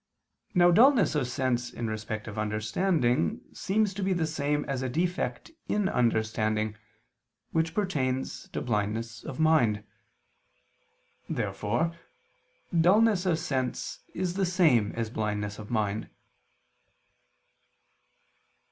Now dulness of sense in respect of understanding seems to be the same as a defect in understanding, which pertains to blindness of mind. Therefore dulness of sense is the same as blindness of mind.